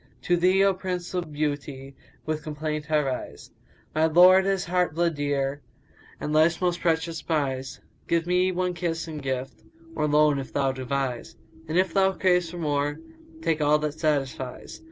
To thee, O Prince of Beau * ty[FN#178] with complaint I rise: My lord, as heart blood dear * And Life's most precious prize! Give me one kiss in gift * Or loan, if thou devise: And if thou crave for more * Take all that satisfies.